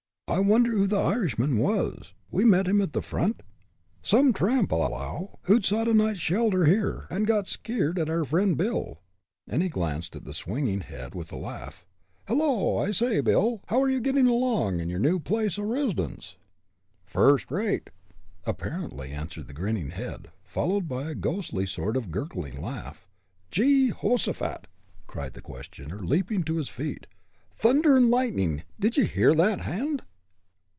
I wonder who the Irishman was, we met at the front?" "Some tramp, I allow, who'd sought a night's shelter here, and got skeered at our friend Bill," and he glanced at the swinging head with a laugh. "Hello! I say, Bill, how are you getting along in your new place o' residence?" "First rate!" apparently answered the grinning head, followed by a ghostly sort of a gurgling laugh. "Jehosaphat!" cried the questioner, leaping to his feet. "Thunder and lightning! Did ye hear that, Hand?"